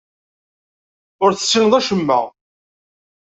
Ur tessineḍ acemma.